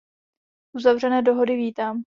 Uzavřené dohody vítám.